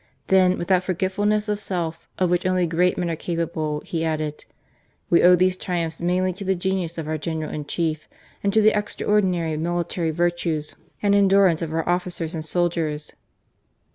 Then, with that forgetfulness of self, of which only great men are capable, he added :We owe these triumphs mainly to the genius of our General in Chief, and to the extraordinary military virtues and endurance of our officers and soldiers."